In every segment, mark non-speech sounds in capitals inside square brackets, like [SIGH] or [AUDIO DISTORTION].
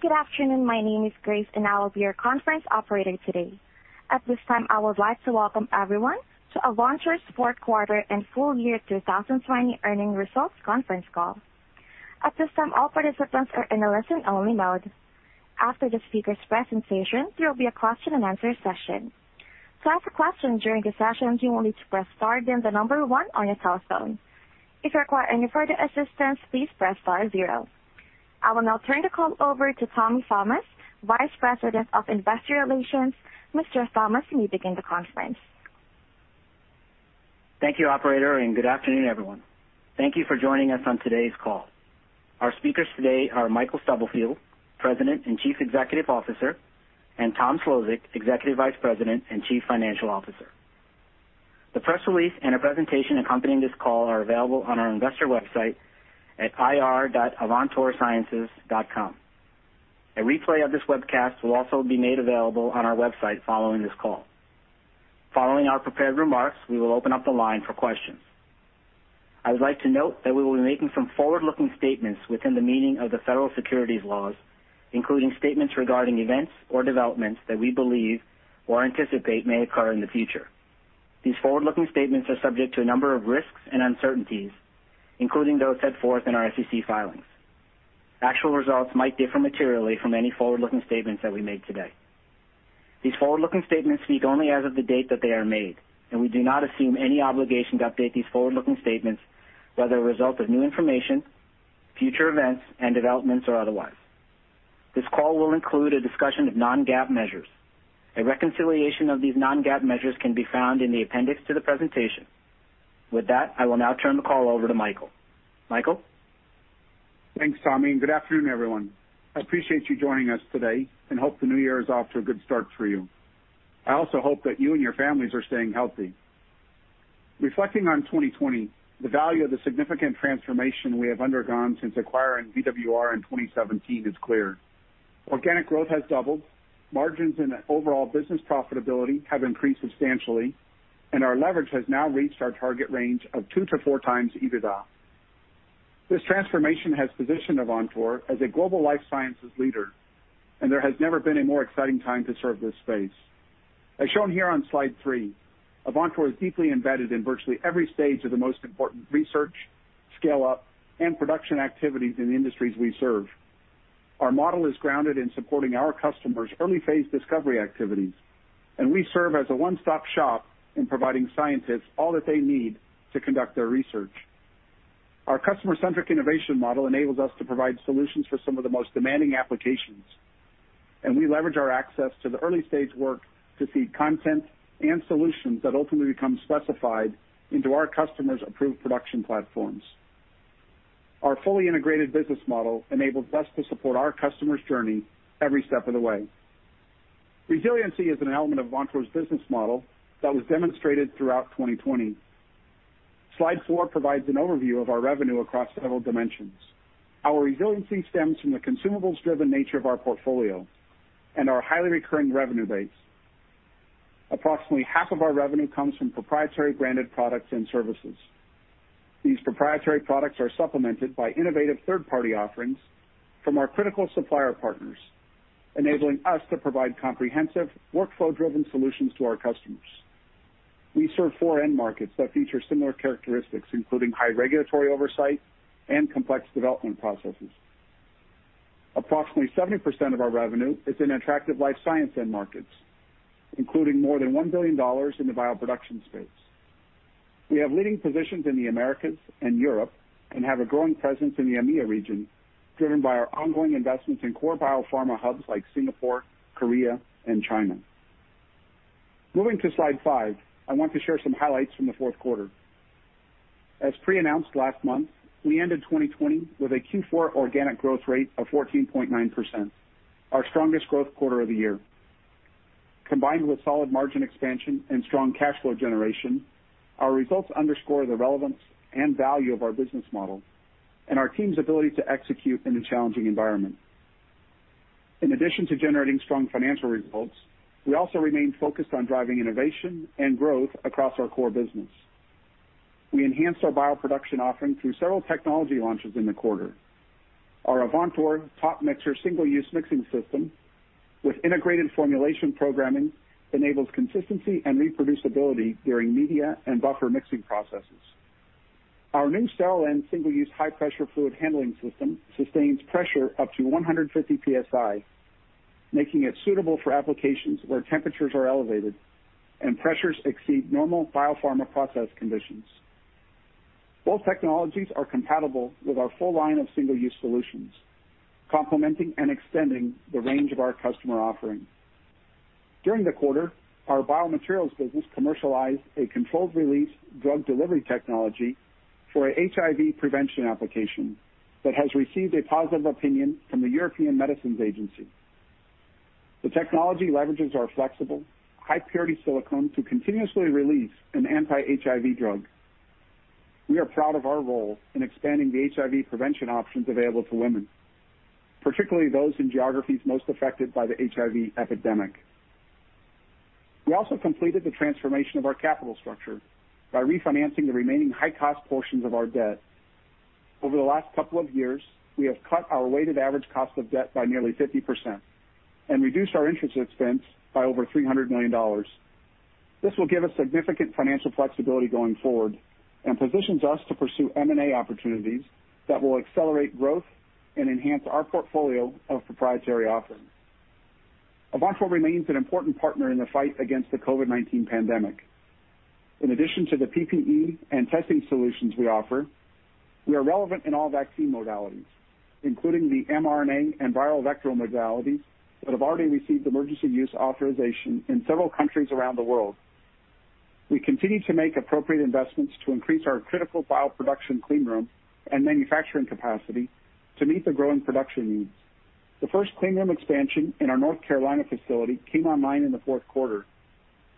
Good afternoon. My name is Grace and I will be your conference operator today. At this time, I would like to welcome everyone to Avantor's fourth quarter and full year 2020 earnings results conference call. At this time, all participants are in a listen-only mode. After the speakers' presentation, there will be a Q&A session. To ask a question during the session, you will need to press star, then the number one on your telephone. If you require any further assistance, please press star zero. I will now turn the call over to Tommy Thomas, Vice President of Investor Relations. Mr. Thomas, you may begin the conference. Thank you, operator, good afternoon, everyone. Thank you for joining us on today's call. Our speakers today are Michael Stubblefield, President and Chief Executive Officer, and Tom Szlosek, Executive Vice President and Chief Financial Officer. The press release and a presentation accompanying this call are available on our investor website at ir.avantorsciences.com. A replay of this webcast will also be made available on our website following this call. Following our prepared remarks, we will open up the line for questions. I would like to note that we will be making some forward-looking statements within the meaning of the Federal Securities laws, including statements regarding events or developments that we believe or anticipate may occur in the future. These forward-looking statements are subject to a number of risks and uncertainties, including those set forth in our SEC filings. Actual results might differ materially from any forward-looking statements that we make today. These forward-looking statements speak only as of the date that they are made, and we do not assume any obligation to update these forward-looking statements, whether as a result of new information, future events and developments, or otherwise. This call will include a discussion of non-GAAP measures. A reconciliation of these non-GAAP measures can be found in the appendix to the presentation. With that, I will now turn the call over to Michael. Michael? Thanks, Tommy, and good afternoon, everyone. I appreciate you joining us today and hope the new year is off to a good start for you. I also hope that you and your families are staying healthy. Reflecting on 2020, the value of the significant transformation we have undergone since acquiring VWR in 2017 is clear. Organic growth has doubled, margins and overall business profitability have increased substantially, and our leverage has now reached our target range of 2x-4x EBITDA. This transformation has positioned Avantor as a global life sciences leader, and there has never been a more exciting time to serve this space. As shown here on Slide three, Avantor is deeply embedded in virtually every stage of the most important research, scale-up, and production activities in the industries we serve. Our model is grounded in supporting our customers' early-phase discovery activities, and we serve as a one-stop shop in providing scientists all that they need to conduct their research. Our customer-centric innovation model enables us to provide solutions for some of the most demanding applications, and we leverage our access to the early-stage work to seed content and solutions that ultimately become specified into our customers' approved production platforms. Our fully integrated business model enables us to support our customers' journey every step of the way. Resiliency is an element of Avantor's business model that was demonstrated throughout 2020. Slide four provides an overview of our revenue across several dimensions. Our resiliency stems from the consumables-driven nature of our portfolio and our highly recurring revenue base. Approximately half of our revenue comes from proprietary branded products and services. These proprietary products are supplemented by innovative third-party offerings from our critical supplier partners, enabling us to provide comprehensive, workflow-driven solutions to our customers. We serve four end markets that feature similar characteristics, including high regulatory oversight and complex development processes. Approximately 70% of our revenue is in attractive life science end markets, including more than $1 billion in the bioproduction space. We have leading positions in the Americas and Europe and have a growing presence in the AMEA region, driven by our ongoing investments in core biopharma hubs like Singapore, Korea, and China. Moving to Slide five, I want to share some highlights from the fourth quarter. As pre-announced last month, we ended 2020 with a Q4 organic growth rate of 14.9%, our strongest growth quarter of the year. Combined with solid margin expansion and strong cash flow generation, our results underscore the relevance and value of our business model and our team's ability to execute in a challenging environment. In addition to generating strong financial results, we also remain focused on driving innovation and growth across our core business. We enhanced our bioproduction offering through several technology launches in the quarter. Our Avantor TopMixer single-use mixing system with integrated formulation programming enables consistency and reproducibility during media and buffer mixing processes. Our new SterilEnz single-use high-pressure fluid handling system sustains pressure up to 150 psi, making it suitable for applications where temperatures are elevated and pressures exceed normal biopharma process conditions. Both technologies are compatible with our full line of single-use solutions, complementing and extending the range of our customer offerings. During the quarter, our biomaterials business commercialized a controlled release drug delivery technology for an HIV prevention application that has received a positive opinion from the European Medicines Agency. The technology leverages our flexible, high-purity silicone to continuously release an anti-HIV drug. We are proud of our role in expanding the HIV prevention options available to women, particularly those in geographies most affected by the HIV epidemic. We also completed the transformation of our capital structure by refinancing the remaining high-cost portions of our debt. Over the last couple of years, we have cut our weighted average cost of debt by nearly 50% and reduced our interest expense by over $300 million. This will give us significant financial flexibility going forward and positions us to pursue M&A opportunities that will accelerate growth and enhance our portfolio of proprietary offerings. Avantor remains an important partner in the fight against the COVID-19 pandemic. In addition to the PPE and testing solutions we offer, we are relevant in all vaccine modalities, including the mRNA and viral vector modalities that have already received emergency use authorization in several countries around the world. We continue to make appropriate investments to increase our critical bioproduction clean room and manufacturing capacity to meet the growing production needs. The first clean room expansion in our North Carolina facility came online in the fourth quarter,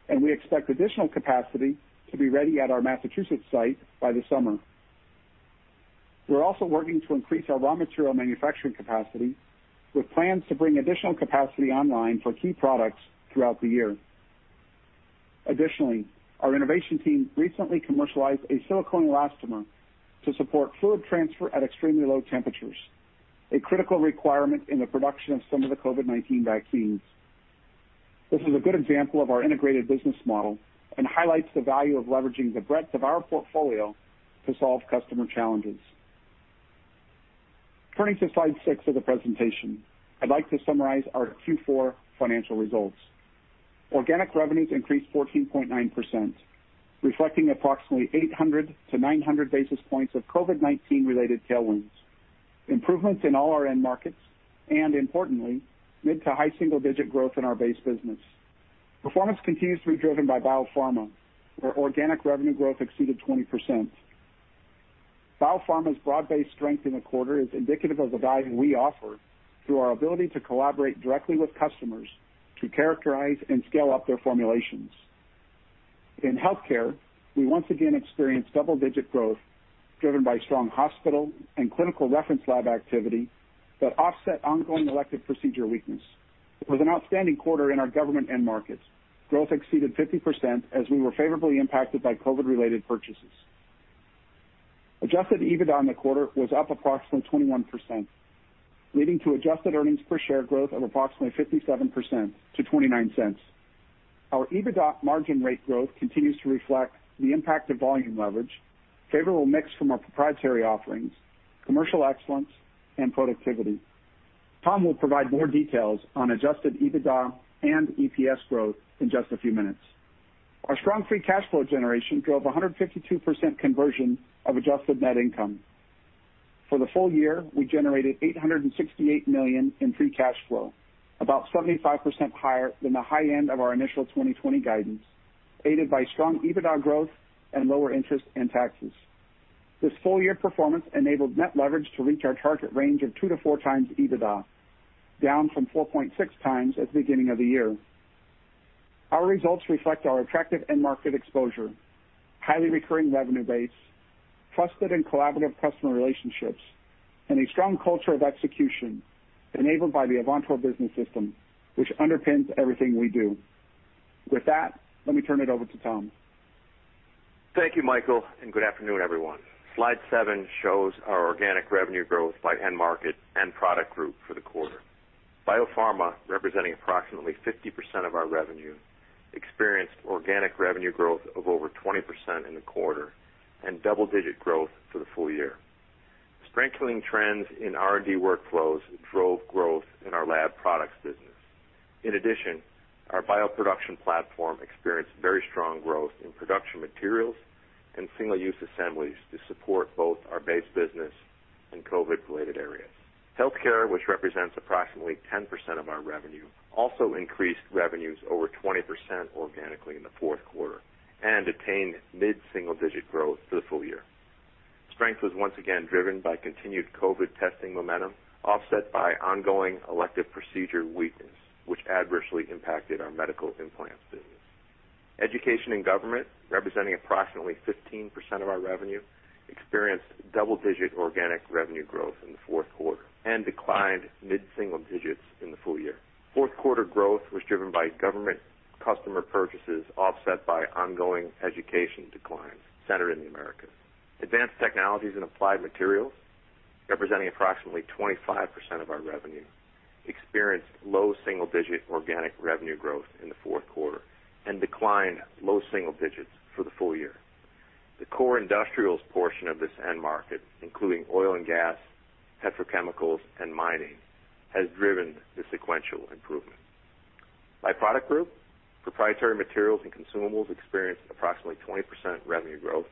and we expect additional capacity to be ready at our Massachusetts site by the summer. We're also working to increase our raw material manufacturing capacity, with plans to bring additional capacity online for key products throughout the year. Additionally, our innovation team recently commercialized a silicone elastomer to support fluid transfer at extremely low temperatures, a critical requirement in the production of some of the COVID-19 vaccines. This is a good example of our integrated business model and highlights the value of leveraging the breadth of our portfolio to solve customer challenges. Turning to Slide six of the presentation, I'd like to summarize our Q4 financial results. Organic revenues increased 14.9%, reflecting approximately 800-900 basis points of COVID-19 related tailwinds, improvements in all our end markets, and importantly, mid to high single-digit growth in our base business. Performance continues to be driven by biopharma, where organic revenue growth exceeded 20%. Biopharma's broad-based strength in the quarter is indicative of the value we offer through our ability to collaborate directly with customers to characterize and scale up their formulations. In healthcare, we once again experienced double-digit growth driven by strong hospital and clinical reference lab activity that offset ongoing elective procedure weakness. It was an outstanding quarter in our government end markets. Growth exceeded 50% as we were favorably impacted by COVID-related purchases. Adjusted EBITDA in the quarter was up approximately 21%, leading to adjusted earnings per share growth of approximately 57% to $0.29. Our EBITDA margin rate growth continues to reflect the impact of volume leverage, favorable mix from our proprietary offerings, commercial excellence, and productivity. Tom will provide more details on adjusted EBITDA and EPS growth in just a few minutes. Our strong free cash flow generation drove 152% conversion of adjusted net income. For the full year, we generated $868 million in free cash flow, about 75% higher than the high end of our initial 2020 guidance, aided by strong EBITDA growth and lower interest and taxes. This full-year performance enabled net leverage to reach our target range of 2x-4x EBITDA, down from 4.6x at the beginning of the year. Our results reflect our attractive end market exposure, highly recurring revenue base, trusted and collaborative customer relationships, and a strong culture of execution enabled by the Avantor Business System, which underpins everything we do. With that, let me turn it over to Tom. Thank you, Michael, and good afternoon, everyone. Slide seven shows our organic revenue growth by end market and product group for the quarter. Biopharma, representing approximately 50% of our revenue, experienced organic revenue growth of over 20% in the quarter and double-digit growth for the full year. Strengthening trends in R&D workflows drove growth in our lab products business. In addition, our bioproduction platform experienced very strong growth in production materials and single-use assemblies to support both our base business and COVID-related areas. Healthcare, which represents approximately 10% of our revenue, also increased revenues over 20% organically in the fourth quarter and attained mid-single digit growth for the full year. Strength was once again driven by continued COVID testing momentum, offset by ongoing elective procedure weakness, which adversely impacted our medical implants business. Education and government, representing approximately 15% of our revenue, experienced double-digit organic revenue growth in the fourth quarter and declined mid-single digits in the full year. Fourth quarter growth was driven by government customer purchases offset by ongoing education declines centered in the Americas. Advanced technologies and applied materials, representing approximately 25% of our revenue, experienced low single-digit organic revenue growth in the fourth quarter and declined low single digits for the full year. The core industrials portion of this end market, including oil and gas, petrochemicals, and mining, has driven the sequential improvement. By product group, proprietary materials and consumables experienced approximately 20% revenue growth,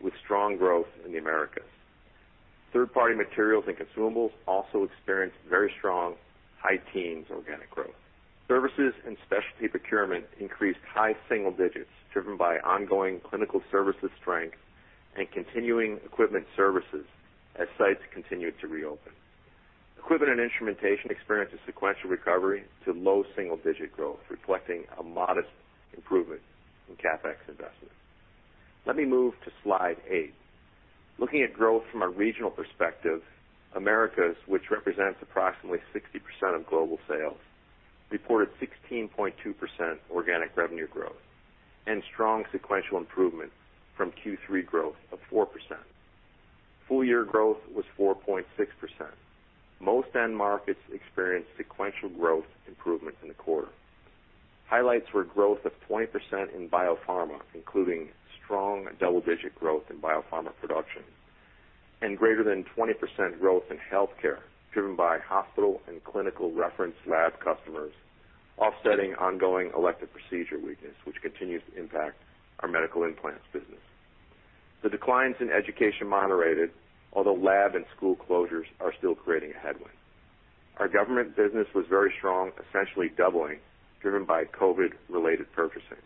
with strong growth in the Americas. Third-party materials and consumables also experienced very strong high teens organic growth. Services and specialty procurement increased high single digits, driven by ongoing clinical services strength and continuing equipment services as sites continued to reopen. Equipment and instrumentation experienced a sequential recovery to low single-digit growth, reflecting a modest improvement in CapEx investment. Let me move to Slide eight. Looking at growth from a regional perspective, Americas, which represents approximately 60% of global sales, reported 16.2% organic revenue growth and strong sequential improvement from Q3 growth of 4%. Full year growth was 4.6%. Most end markets experienced sequential growth improvement in the quarter. Highlights were growth of 20% in biopharma, including strong double-digit growth in biopharma production. Greater than 20% growth in healthcare, driven by hospital and clinical reference lab customers offsetting ongoing elective procedure weakness, which continues to impact our medical implants business. The declines in education moderated, although lab and school closures are still creating a headwind. Our government business was very strong, essentially doubling, driven by COVID-related purchasing.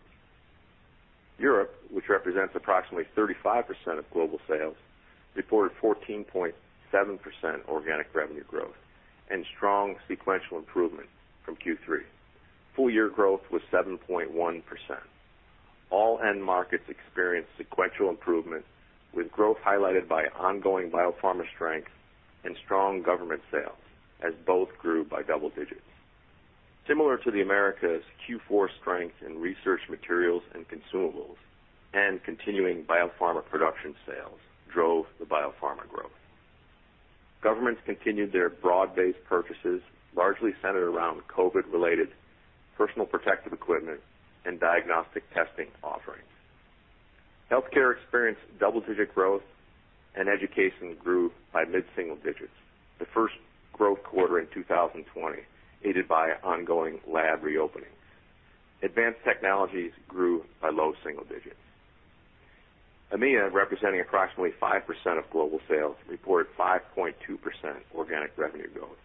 Europe, which represents approximately 35% of global sales, reported 14.7% organic revenue growth and strong sequential improvement from Q3. Full year growth was 7.1%. All end markets experienced sequential improvement with growth highlighted by ongoing biopharma strength and strong government sales, as both grew by double digits. Similar to the Americas, Q4 strength in research materials and consumables and continuing biopharma production sales drove the biopharma growth. Governments continued their broad-based purchases, largely centered around COVID-related personal protective equipment and diagnostic testing offerings. Healthcare experienced double-digit growth, and education grew by mid-single digits, the first growth quarter in 2020, aided by ongoing lab reopenings. Advanced technologies grew by low single digits. AMEA, representing approximately 5% of global sales, report 5.2% organic revenue growth.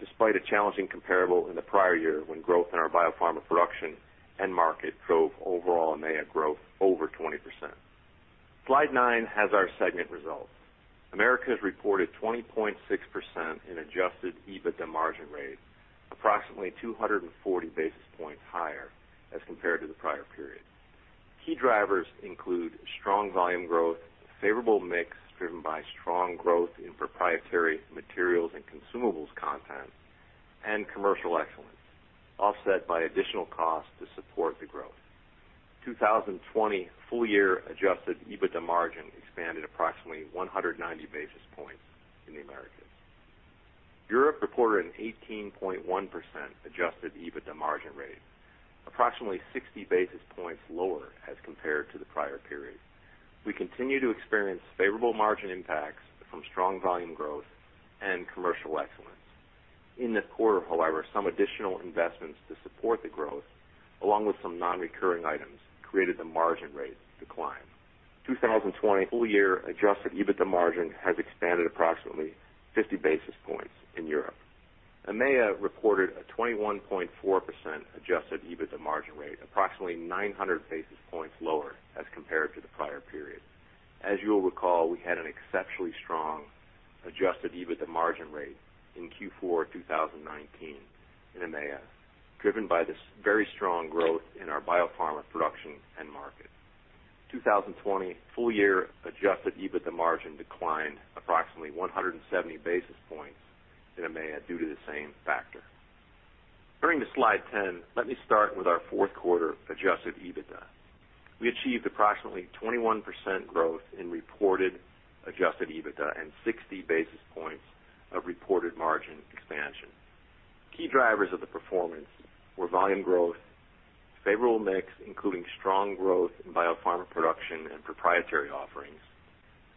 Despite a challenging comparable in the prior year, when growth in our biopharma production end market drove overall AMEA growth over 20%. Slide nine has our segment results. Americas reported 20.6% in adjusted EBITDA margin rate, approximately 240 basis points higher as compared to the prior period. Key drivers include strong volume growth, favorable mix driven by strong growth in proprietary materials and consumables content, and commercial excellence, offset by additional costs to support the growth. 2020 full-year adjusted EBITDA margin expanded approximately 190 basis points in the Americas. Europe reported an 18.1% adjusted EBITDA margin rate, approximately 60 basis points lower as compared to the prior period. We continue to experience favorable margin impacts from strong volume growth and commercial excellence. In the quarter, however, some additional investments to support the growth, along with some non-recurring items, created the margin rate decline. 2020 full-year adjusted EBITDA margin has expanded approximately 50 basis points in Europe. AMEA reported a 21.4% adjusted EBITDA margin rate, approximately 900 basis points lower as compared to the prior period. As you'll recall, we had an exceptionally strong adjusted EBITDA margin rate in Q4 2019 in AMEA, driven by this very strong growth in our biopharma production end market. 2020 full-year adjusted EBITDA margin declined approximately 170 basis points in AMEA due to the same factor. Turning to Slide 10, let me start with our fourth quarter adjusted EBITDA. We achieved approximately 21% growth in reported adjusted EBITDA and 60 basis points of reported margin expansion. Key drivers of the performance were volume growth, favorable mix, including strong growth in biopharma production and proprietary offerings,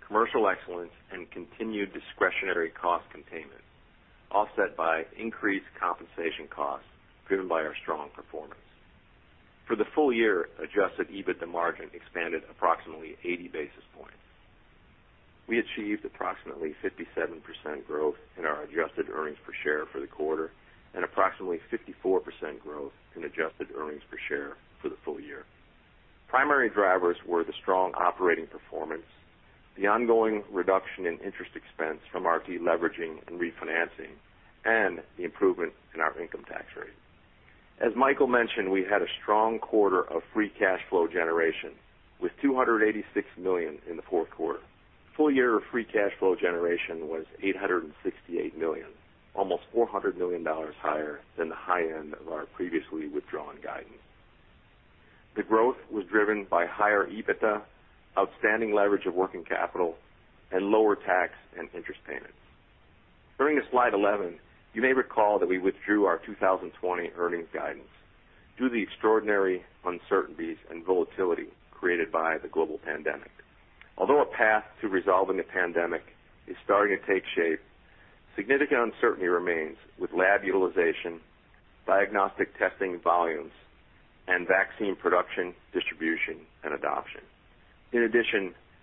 commercial excellence, and continued discretionary cost containment, offset by increased compensation costs driven by our strong performance. For the full year, adjusted EBITDA margin expanded approximately 80 basis points. We achieved approximately 57% growth in our adjusted earnings per share for the quarter, and approximately 54% growth in adjusted earnings per share for the full year. Primary drivers were the strong operating performance, the ongoing reduction in interest expense from our deleveraging and refinancing, and the improvement in our income tax rate. As Michael mentioned, we had a strong quarter of free cash flow generation with $286 million in the fourth quarter. Full year of free cash flow generation was $868 million, almost $400 million higher than the high end of our previously withdrawn guidance. The growth was driven by higher EBITDA, outstanding leverage of working capital, and lower tax and interest payments. Turning to Slide 11, you may recall that we withdrew our 2020 earnings guidance due to the extraordinary uncertainties and volatility created by the global pandemic. Although a path to resolving the pandemic is starting to take shape, significant uncertainty remains with lab utilization, diagnostic testing volumes, and vaccine production, distribution, and adoption.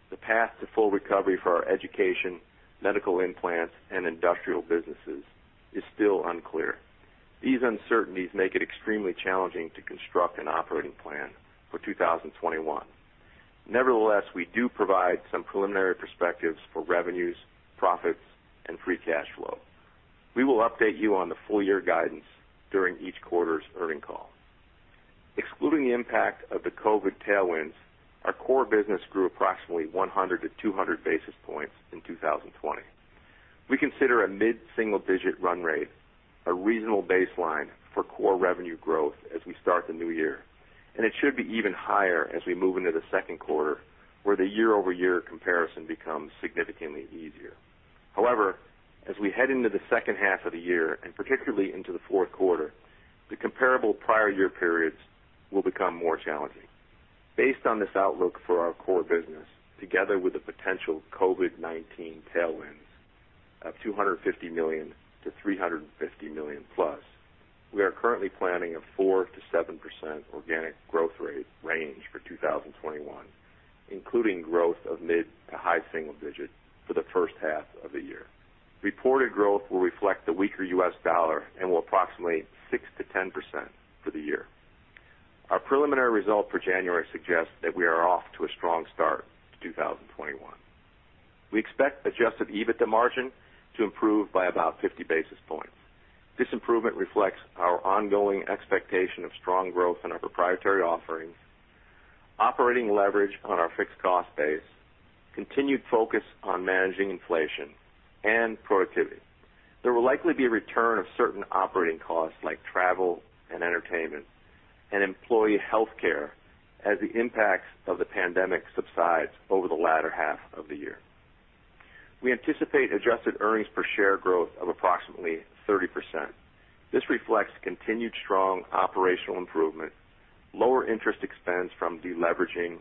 The path to full recovery for our education, medical implants, and industrial businesses is still unclear. These uncertainties make it extremely challenging to construct an operating plan for 2021. We do provide some preliminary perspectives for revenues, profits, and free cash flow. We will update you on the full-year guidance during each quarter's earning call. Excluding the impact of the COVID tailwinds, our core business grew approximately 100-200 basis points in 2020. We consider a mid-single-digit run rate a reasonable baseline for core revenue growth as we start the new year, and it should be even higher as we move into the second quarter, where the year-over-year comparison becomes significantly easier. As we head into the second half of the year, and particularly into the fourth quarter, the comparable prior year periods will become more challenging. Based on this outlook for our core business, together with the potential COVID-19 tailwinds of $250 million-$350+ million, we are currently planning a 4%-7% organic growth rate range for 2021, including growth of mid-to-high single-digit for the first half of the year. Reported growth will reflect the weaker U.S. dollar and will approximate 6%-10% for the year. Our preliminary result for January suggests that we are off to a strong start to 2021. We expect adjusted EBITDA margin to improve by about 50 basis points. This improvement reflects our ongoing expectation of strong growth in our proprietary offerings, operating leverage on our fixed cost base, continued focus on managing inflation, and productivity. There will likely be a return of certain operating costs like travel and entertainment and employee healthcare as the impacts of the pandemic subside over the latter half of the year. We anticipate adjusted earnings per share growth of approximately 30%. This reflects continued strong operational improvement, lower interest expense from deleveraging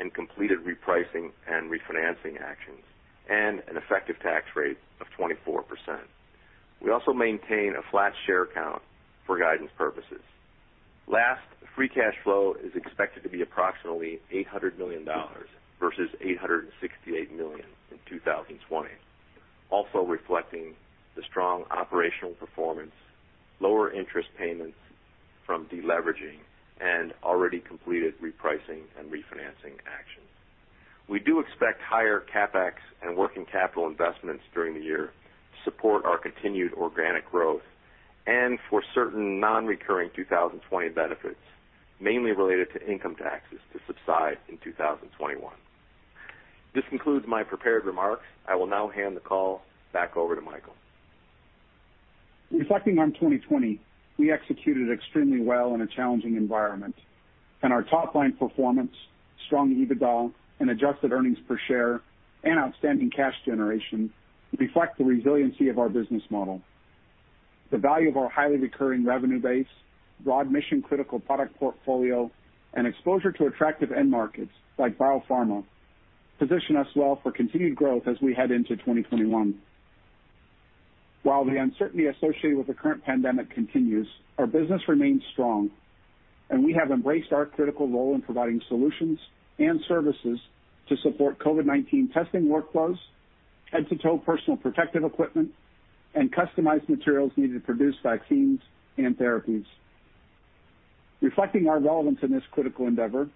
and completed repricing and refinancing actions, and an effective tax rate of 24%. We also maintain a flat share count for guidance purposes. Last, free cash flow is expected to be approximately $800 million versus $868 million in 2020, also reflecting the strong operational performance, lower interest payments from deleveraging, and already completed repricing and refinancing actions. We do expect higher CapEx and working capital investments during the year to support our continued organic growth and for certain non-recurring 2020 benefits, mainly related to income taxes, to subside in 2021. This concludes my prepared remarks. I will now hand the call back over to Michael. Reflecting on 2020, we executed extremely well in a challenging environment, and our top-line performance, strong EBITDA and adjusted earnings per share, and outstanding cash generation reflect the resiliency of our business model. The value of our highly recurring revenue base, broad mission-critical product portfolio, and exposure to attractive end markets like biopharma position us well for continued growth as we head into 2021. While the uncertainty associated with the current pandemic continues, our business remains strong, and we have embraced our critical role in providing solutions and services to support COVID-19 testing workflows, head-to-toe personal protective equipment, and customized materials needed to produce vaccines and therapies. Reflecting our relevance in this critical endeavor,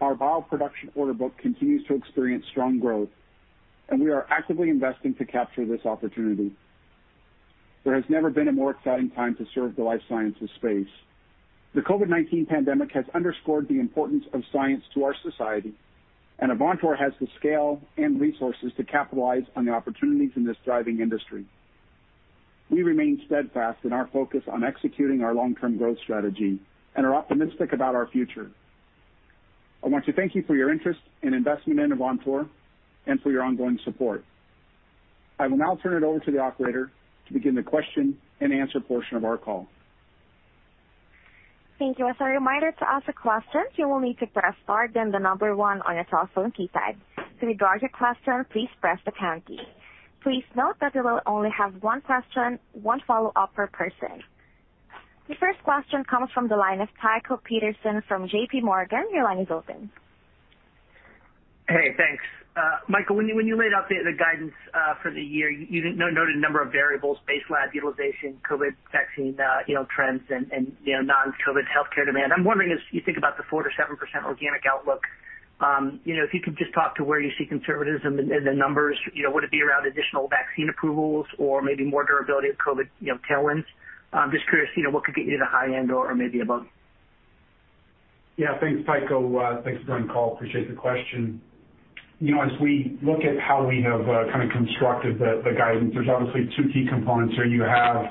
our bioproduction order book continues to experience strong growth, and we are actively investing to capture this opportunity. There has never been a more exciting time to serve the life sciences space. The COVID-19 pandemic has underscored the importance of science to our society, and Avantor has the scale and resources to capitalize on the opportunities in this thriving industry. We remain steadfast in our focus on executing our long-term growth strategy and are optimistic about our future. I want to thank you for your interest in investing in Avantor and for your ongoing support. I will now turn it over to the operator to begin the Q&A portion of our call. Thank you. As a reminder, to ask a question, you will need to press star then the number one on your telephone keypad. To withdraw your question, please press the pound key. Please note that we will only have one question, one follow-up per person. The first question comes from the line of Tycho Peterson from JPMorgan. Your line is open. Hey, thanks. Michael, when you laid out the guidance for the year, you noted a number of variables, base lab utilization, COVID vaccine trends, and non-COVID healthcare demand. I'm wondering, as you think about the 4%-7% organic outlook, if you could just talk to where you see conservatism in the numbers. Would it be around additional vaccine approvals or maybe more durability of COVID tailwinds? Just curious, what could get you to the high end or maybe above? Thanks, Tycho. Thanks for being on call. Appreciate the question. As we look at how we have kind of constructed the guidance, there's obviously two key components there. You have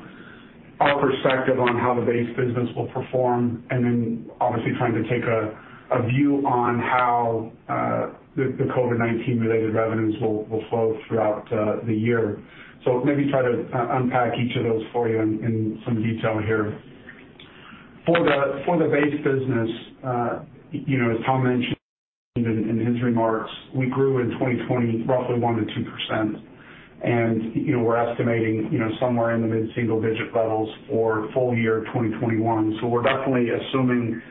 our perspective on how the base business will perform and then obviously trying to take a view on how the COVID-19 related revenues will flow throughout the year. Let me try to unpack each of those for you in some detail here. For the base business, as Tom mentioned in his remarks, we grew in 2020 roughly 1%-2%, and we're estimating somewhere in the mid-single-digit levels for full year 2021. We're definitely assuming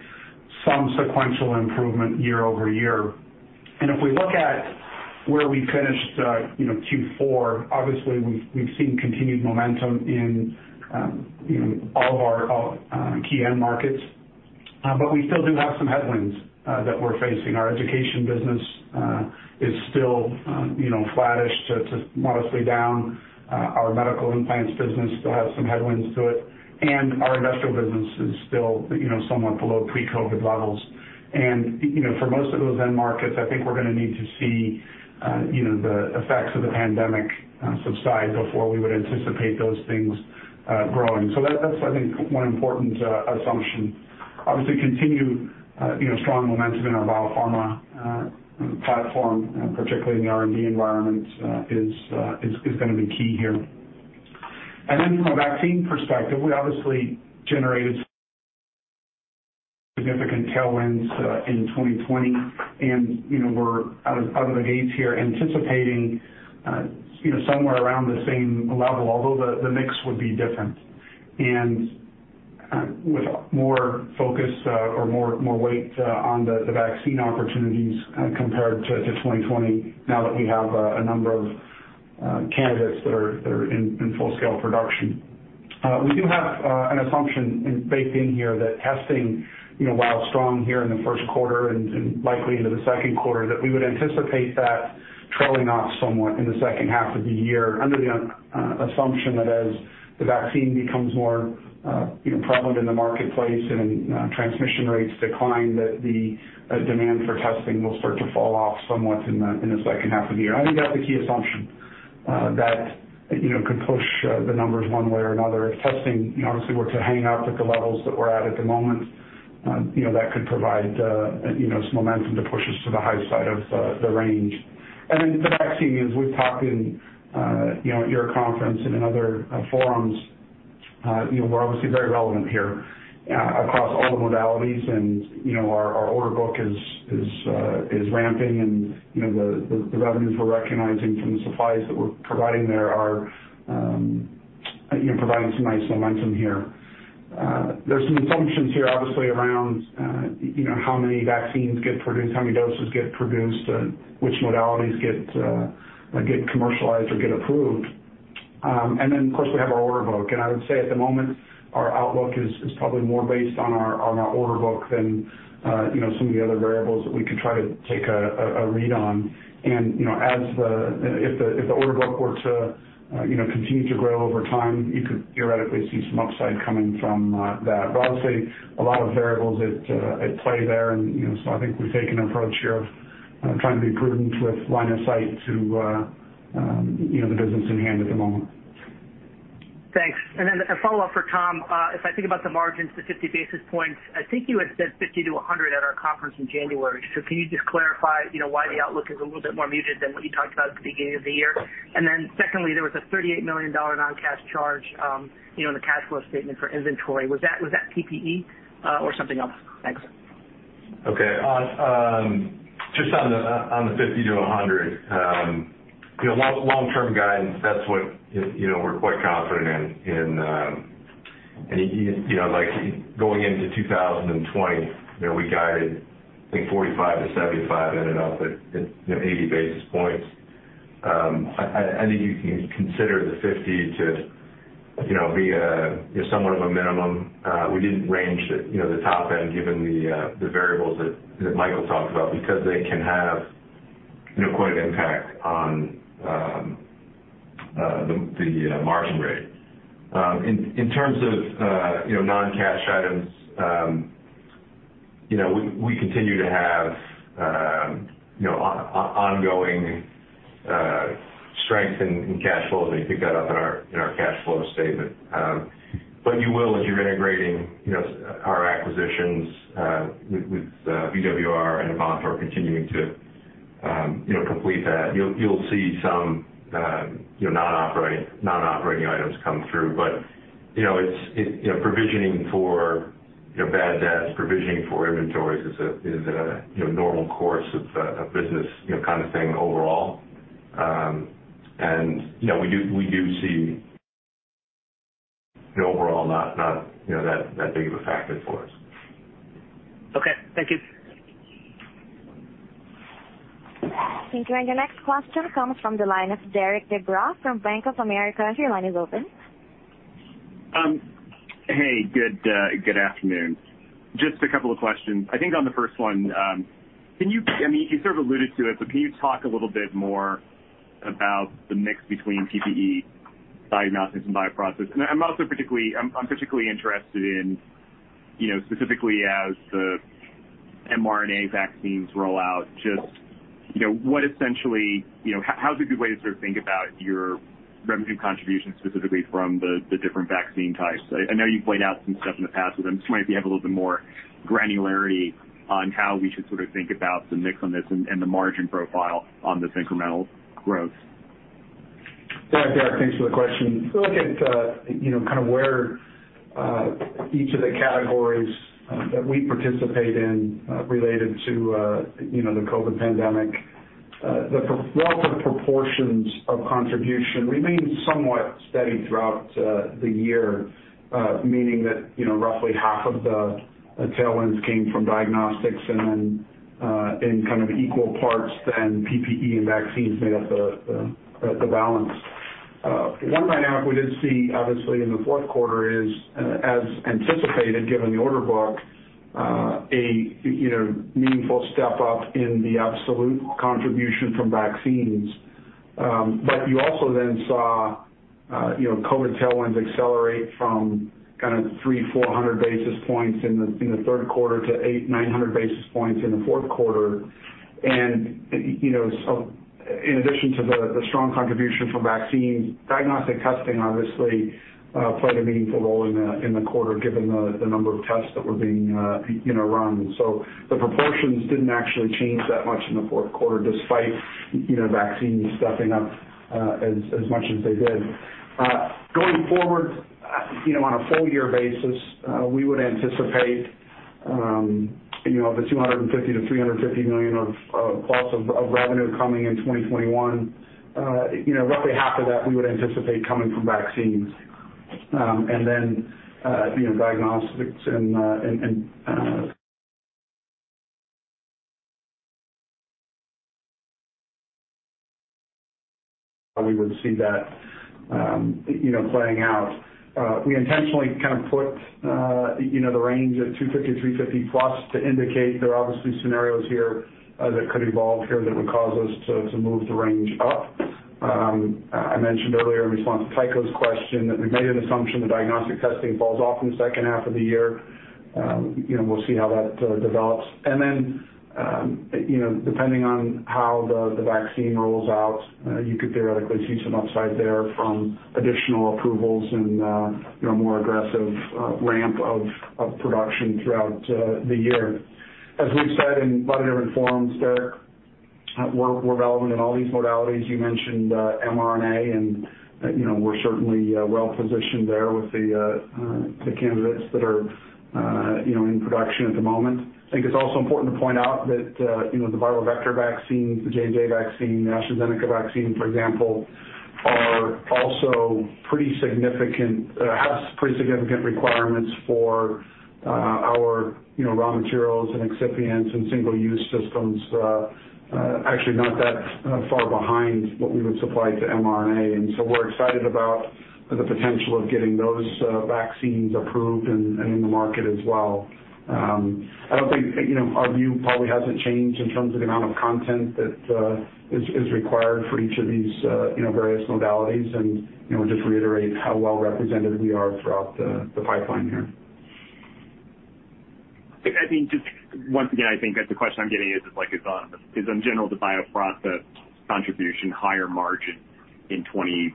some sequential improvement year-over-year. If we look at where we finished Q4, obviously, we've seen continued momentum in all of our key end markets. We still do have some headwinds that we're facing. Our education business is still flattish to modestly down. Our medical implants business still has some headwinds to it, and our industrial business is still somewhat below pre-COVID levels. For most of those end markets, I think we're going to need to see the effects of the pandemic subside before we would anticipate those things growing. That's, I think, one important assumption. Obviously, continued strong momentum in our biopharma platform, particularly in the R&D environment is going to be key here. From a vaccine perspective, we obviously generated significant tailwinds in 2020, and we're, out of the gates here, anticipating somewhere around the same level, although the mix would be different. With more focus or more weight on the vaccine opportunities compared to 2020, now that we have a number of candidates that are in full-scale production. We do have an assumption baked in here that testing, while strong here in the first quarter and likely into the second quarter, that we would anticipate that trailing off somewhat in the second half of the year under the assumption that as the vaccine becomes more prevalent in the marketplace and transmission rates decline, that the demand for testing will start to fall off somewhat in the second half of the year. I think that's a key assumption that could push the numbers one way or another. If testing, obviously, were to hang out at the levels that we're at at the moment, that could provide some momentum to push us to the high side of the range. The vaccine, as we've talked in your conference and in other forums, we're obviously very relevant here across all the modalities, and our order book is ramping, and the revenues we're recognizing from the supplies that we're providing there are providing some nice momentum here. There's some assumptions here, obviously, around how many vaccines get produced, how many doses get produced, and which modalities get commercialized or get approved. Of course, we have our order book. I would say at the moment, our outlook is probably more based on our order book than some of the other variables that we could try to take a read on. If the order book were to continue to grow over time, you could theoretically see some upside coming from that. Obviously, a lot of variables at play there, and so I think we take an approach here of trying to be prudent with line of sight to the business in hand at the moment. Thanks. Then a follow-up for Tom. If I think about the margins to 50 basis points, I think you had said 50-100 basis points at our conference in January. Can you just clarify why the outlook is a little bit more muted than what you talked about at the beginning of the year? Then secondly, there was a $38 million non-cash charge in the cash flow statement for inventory. Was that PPE or something else? Thanks. Okay. Just on the 50-100 basis points. Long-term guidance, that's what we're quite confident in. Going into 2020, we guided, I think, 45-75 basis points, ended up at 80 basis points. I think you can consider the 50 basis points to be somewhat of a minimum. We didn't range the top end, given the variables that Michael talked about, because they can have quite an impact on the margin rate. In terms of non-cash items, we continue to have ongoing strength in cash flow that you pick that up in our cash flow statement. You will, as you're integrating our acquisitions with VWR and Avantor continuing to complete that. You'll see some non-operating items come through. Provisioning for bad debt, provisioning for inventories is a normal course of business kind of thing overall. We do see it overall not that big of a factor for us. Okay. Thank you. Thank you. Your next question comes from the line of Derik De Bruin from Bank of America. Your line is open. Hey, good afternoon. Just a couple of questions. I think on the first one, you sort of alluded to it, can you talk a little bit more about the mix between PPE, diagnostics, and bioprocess? I'm also particularly interested in specifically as the mRNA vaccines roll out, how's a good way to sort of think about your revenue contribution specifically from the different vaccine types? I know you've laid out some stuff in the past, I'm just wondering if you have a little bit more granularity on how we should sort of think about the mix on this and the margin profile on this incremental growth. Derik, thanks for the question. If you look at kind of where each of the categories that we participate in related to the COVID pandemic, the relative proportions of contribution remained somewhat steady throughout the year. Meaning that roughly half of the tailwinds came from diagnostics and then in kind of equal parts, then PPE and vaccines made up the balance. One dynamic we did see, obviously, in the fourth quarter is, as anticipated given the order book, a meaningful step up in the absolute contribution from vaccines. You also then saw COVID tailwinds accelerate from 300-400 basis points in the third quarter to 800-900 basis points in the fourth quarter. In addition to the strong contribution from vaccines, diagnostic testing obviously played a meaningful role in the quarter given the number of tests that were being run. The proportions didn't actually change that much in the fourth quarter despite vaccines stepping up as much as they did. Going forward, on a full-year basis, we would anticipate the $250 million-$350+ million of revenue coming in 2021. Roughly half of that we would anticipate coming from vaccines. Diagnostics we would see that playing out. We intentionally put the range of $250 million-$350+ million to indicate there are obviously scenarios here that could evolve here that would cause us to move the range up. I mentioned earlier in response to Tycho's question that we've made an assumption that diagnostic testing falls off in the second half of the year. We'll see how that develops. Depending on how the vaccine rolls out, you could theoretically see some upside there from additional approvals and more aggressive ramp of production throughout the year. As we've said in a lot of different forums, Derik, we're relevant in all these modalities. You mentioned mRNA, we're certainly well-positioned there with the candidates that are in production at the moment. I think it's also important to point out that the viral vector vaccine, the J&J vaccine, the AstraZeneca vaccine, for example, has pretty significant requirements for our raw materials and excipients and single-use systems. Actually not that far behind what we would supply to mRNA. We're excited about the potential of getting those vaccines approved and in the market as well. Our view probably hasn't changed in terms of the amount of content that is required for each of these various modalities and just reiterate how well-represented we are throughout the pipeline here. Once again, I think that the question I'm getting is in general, the bioprocess contribution higher margin, basically, the higher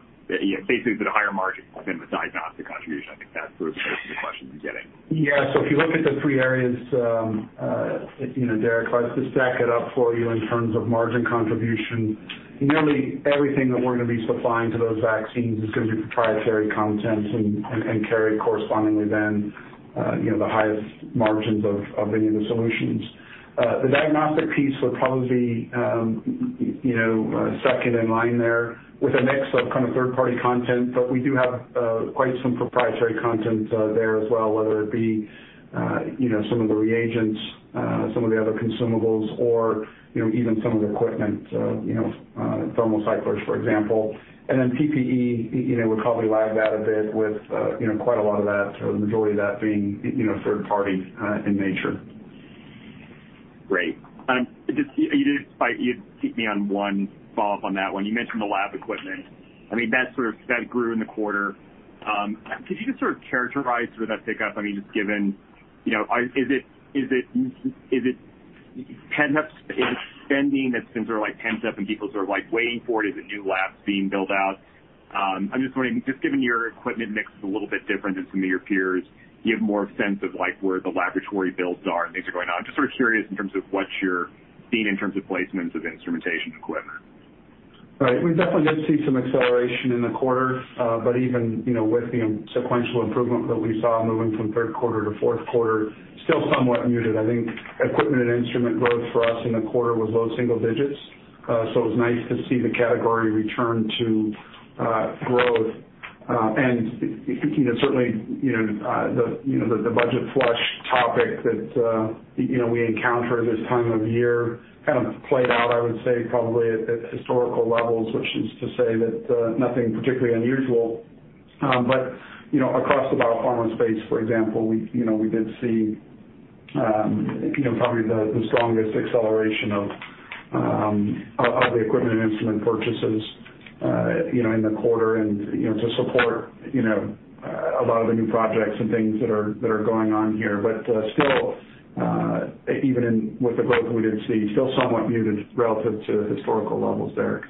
margin within the diagnostic contribution. I think that's sort of the question I'm getting. If you look at the three areas, Derik, if I just stack it up for you in terms of margin contribution, nearly everything that we're going to be supplying to those vaccines is going to be proprietary content and carry correspondingly then the highest margins of any of the solutions. The diagnostic piece would probably be second in line there with a mix of third-party content. We do have quite some proprietary content there as well, whether it be some of the reagents, some of the other consumables or even some of the equipment, thermal cyclers, for example. PPE would probably lag that a bit with quite a lot of that or the majority of that being third party in nature. Great. You did set me up on one follow-up on that one. You mentioned the lab equipment. That grew in the quarter. Could you just characterize that pickup, is it pent-up spending that's been sort of pent up and people sort of waiting for it? Is it new labs being built out? I'm just wondering, just given your equipment mix is a little bit different than some of your peers, do you have more sense of where the laboratory builds are and things are going on? Just sort of curious in terms of what you're seeing in terms of placements of instrumentation equipment. Right. We definitely did see some acceleration in the quarter. Even with the sequential improvement that we saw moving from third quarter to fourth quarter, still somewhat muted. I think equipment and instrument growth for us in the quarter was low single digits. It was nice to see the category return to growth. Certainly the budget flush topic that we encounter this time of year kind of played out, I would say, probably at historical levels, which is to say that nothing particularly unusual. Across the biopharma space, for example, we did see probably the strongest acceleration of the equipment and instrument purchases in the quarter and to support a lot of the new projects and things that are going on here. Still, even with the growth we did see, still somewhat muted relative to historical levels, Derik.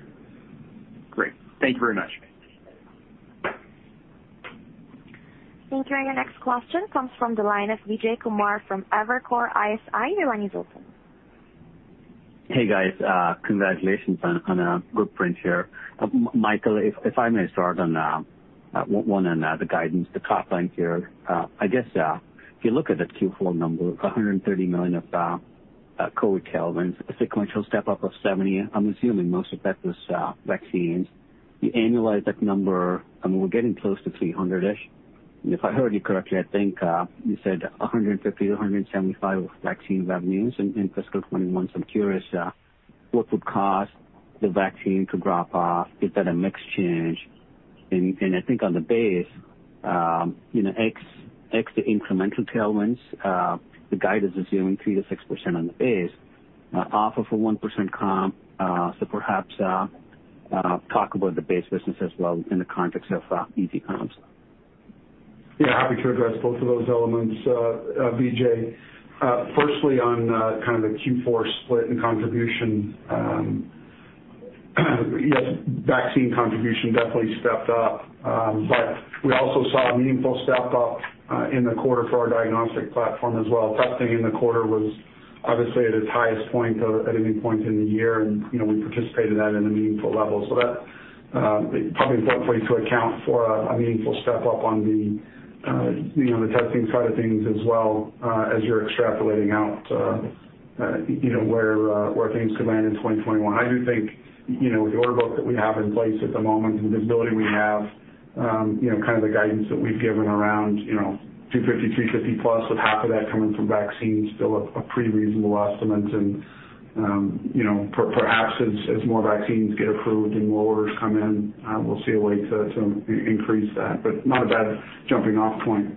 Great. Thank you very much. Thank you. Your next question comes from the line of Vijay Kumar from Evercore ISI. Your line is open. Hey, guys. Congratulations on a good print here. Michael, if I may start on one, on the guidance, the top line here. I guess if you look at the Q4 number, $130 million of COVID tailwinds, a sequential step-up of $70 million, I'm assuming most of that was vaccines. You annualize that number, we're getting close to $300-ish mllion. I heard you correctly, I think you said $150 million-$175 million vaccine revenues in fiscal 2021. I'm curious, what would cause the vaccine to drop off? Is that a mix change? I think on the base, ex the incremental tailwinds, the guidance is assuming 3%-6% on the base, off of a 1% comp. Perhaps talk about the base business as well in the context of easy comps. Yeah, happy to address both of those elements, Vijay. Firstly, on kind of the Q4 split and contribution. Yes, vaccine contribution definitely stepped up. We also saw a meaningful step-up in the quarter for our diagnostic platform as well. Testing in the quarter was obviously at its highest point of any point in the year, and we participated in that at a meaningful level. That probably importantly to account for a meaningful step-up on the testing side of things as well, as you're extrapolating out where things could land in 2021. I do think, with the order book that we have in place at the moment and the visibility we have, kind of the guidance that we've given around $250 million-$350+ million, with half of that coming from vaccines, still a pretty reasonable estimate. Perhaps as more vaccines get approved and more orders come in, we'll see a way to increase that. Not a bad jumping-off point.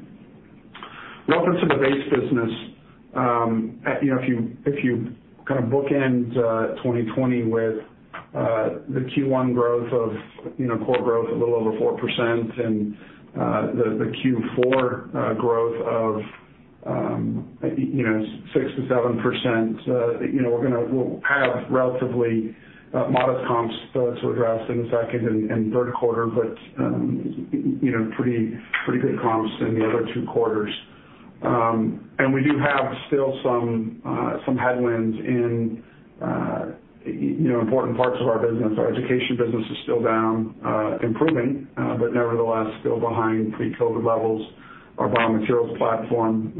Welcome to the base business. If you kind of bookend 2020 with the Q1 growth of core growth a little over 4% and the Q4 growth of 6%-7%, we'll have relatively modest comps to address in the second and third quarter, but pretty good comps in the other two quarters. We do have still some headwinds in important parts of our business. Our education business is still down. Improving, but nevertheless, still behind pre-COVID levels. Our biomaterials platform,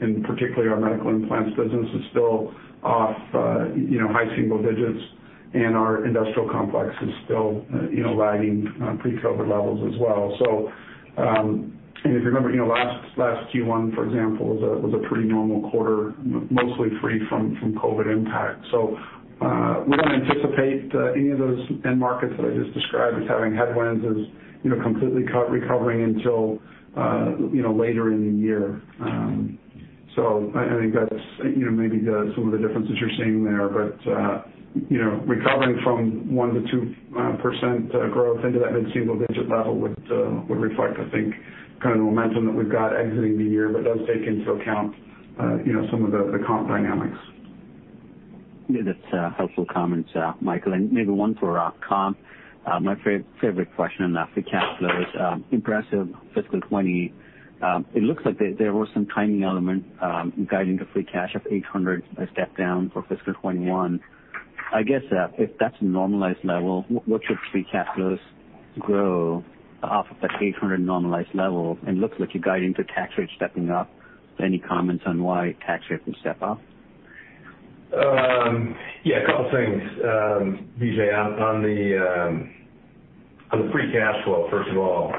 and particularly our medical implants business, is still off high single digits, and our industrial complex is still lagging pre-COVID levels as well. If you remember, last Q1, for example, was a pretty normal quarter, mostly free from COVID impact. We don't anticipate any of those end markets that I just described as having headwinds as completely recovering until later in the year. I think that's maybe some of the differences you're seeing there. Recovering from 1%-2% growth into that mid-single digit level would reflect, I think the kind of momentum that we've got exiting the year, but does take into account some of the comp dynamics. That's helpful comments, Michael, and maybe one for Tom. My favorite question on the free cash flows. Impressive fiscal 2020. It looks like there was some timing element guiding the free cash of $800 million, a step down for fiscal 2021. I guess, if that's a normalized level, what should free cash flows grow off of that $800 million normalized level? It looks like you're guiding the tax rate stepping up. Any comments on why tax rate would step up? Yeah, a couple of things. Vijay, on the free cash flow, first of all,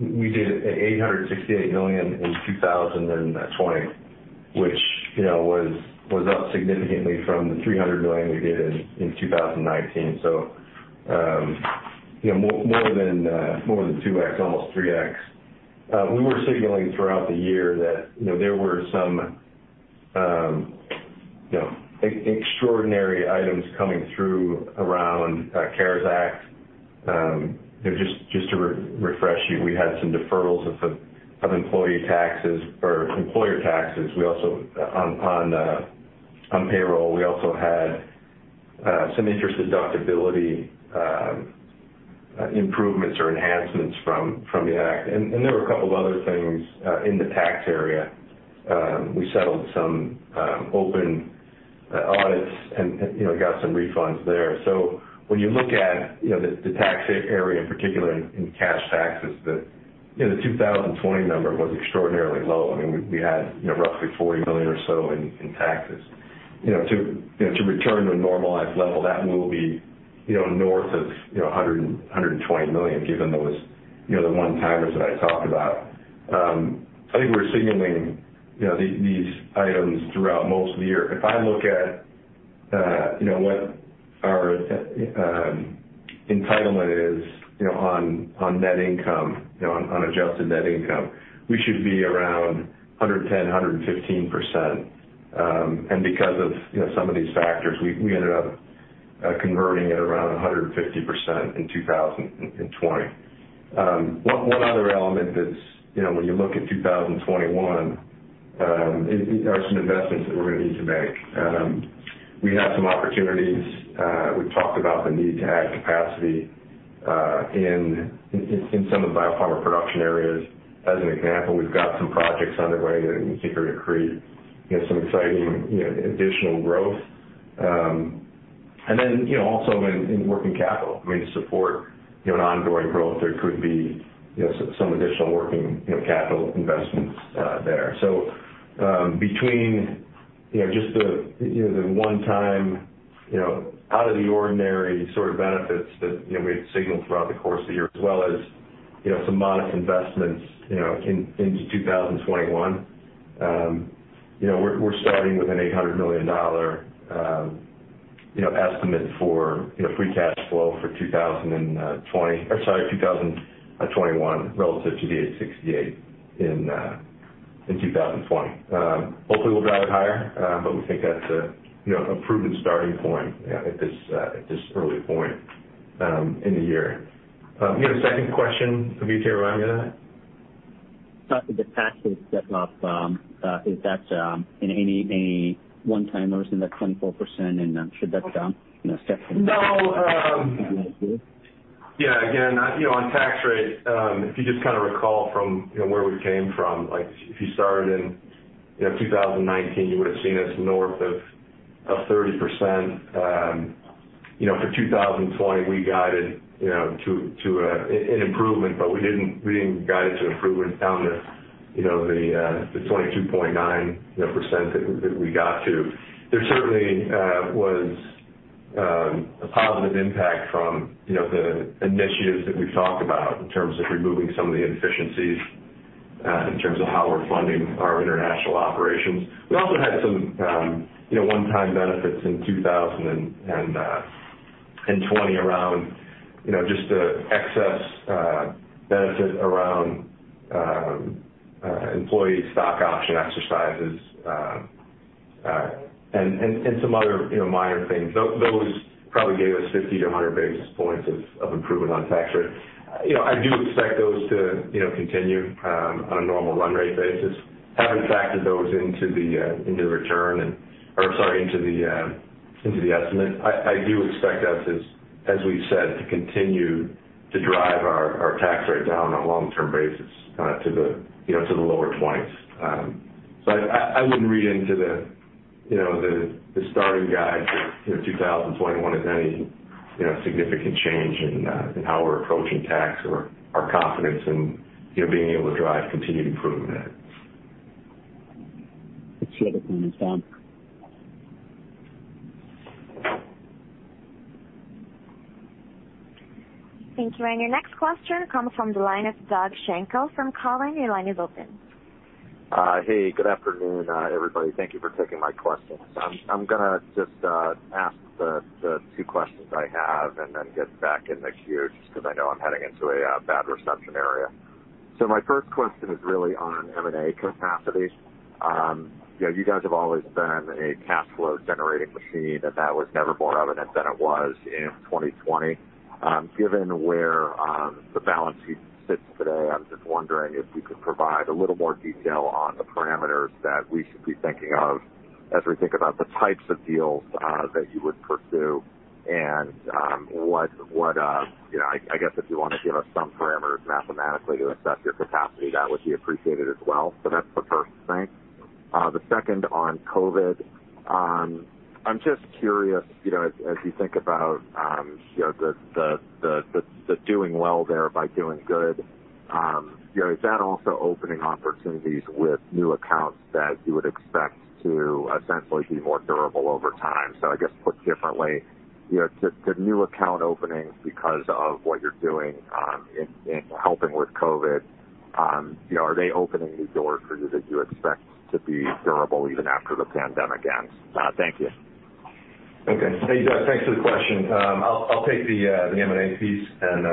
we did $868 million in 2020, which was up significantly from the $300 million we did in 2019. More than 2x, almost 3x. We were signaling throughout the year that there were some extraordinary items coming through around the CARES Act. Just to refresh you, we had some deferrals of employee taxes or employer taxes. On payroll, we also had some interest deductibility improvements or enhancements from the Act. There were a couple of other things in the tax area. We settled some open audits and got some refunds there. When you look at the tax area, in particular in cash taxes, the 2020 number was extraordinarily low. I mean, we had roughly $40 million or so in taxes. To return to a normalized level, that will be north of $120 million, given those one-timers that I talked about. I think we're signaling these items throughout most of the year. If I look at what our entitlement is on net income, on adjusted net income, we should be around 110%-115%. Because of some of these factors, we ended up converting at around 150% in 2020. One other element that's when you look at 2021, these are some investments that we're going to need to make. We have some opportunities. We've talked about the need to add capacity in some of the bioproduction areas. As an example, we've got some projects underway that we think are going to create some exciting additional growth. Also in working capital. I mean, to support an ongoing growth, there could be some additional working capital investments there. Between just the one time, out of the ordinary sort of benefits that we had signaled throughout the course of the year, as well as some modest investments into 2021, we're starting with an $800 million estimate for free cash flow for 2020. Sorry, 2021 relative to the $868 million in 2020. Hopefully we'll drive it higher, but we think that's a proven starting point at this early point in the year. You had a second question, Vijay, right here. The tax rate step up, is that in any one time or is it that 24% and should that be stepped down? No. Again, on tax rate, if you just recall from where we came from. If you started in 2019, you would've seen us north of 30%. In 2020, we guided to an improvement, we didn't guide it to improvement down to the 22.9% that we got to. There certainly was a positive impact from the initiatives that we've talked about in terms of removing some of the inefficiencies, in terms of how we're funding our international operations. We also had some one-time benefits in 2020 around just the excess benefit around employee stock option exercises, and some other minor things. Those probably gave us 50-100 basis points of improvement on tax rate. I do expect those to continue on a normal run rate basis, having factored those into the return or sorry, into the estimate. I do expect us, as we've said, to continue to drive our tax rate down on a long-term basis to the lower 20%s. I wouldn't read into the starting guide for 2021 as any significant change in how we're approaching tax or our confidence in being able to drive continued improvement there. [AUDIO DISTORTION] Thanks. Thank you. Your next question comes from the line of Doug Schenkel from Cowen. Your line is open. Hey, good afternoon everybody. Thank you for taking my questions. I'm going to just ask the two questions I have and then get back in the queue just because I know I'm heading into a bad reception area. My first question is really on M&A capacity. You guys have always been a cash flow generating machine, and that was never more evident than it was in 2020. Given where the balance sheet sits today, I was just wondering if you could provide a little more detail on the parameters that we should be thinking of as we think about the types of deals that you would pursue and I guess if you want to give us some parameters mathematically to assess your capacity, that would be appreciated as well. That's the first thing. The second on COVID. I'm just curious, as you think about the doing well there by doing good, is that also opening opportunities with new accounts that you would expect to essentially be more durable over time? I guess put differently, the new account openings because of what you're doing in helping with COVID, are they opening new doors for you that you expect to be durable even after the pandemic ends? Thank you. Okay. Hey, Doug. Thanks for the question. I'll take the M&A piece and